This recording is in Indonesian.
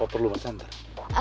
apa perlu mas andara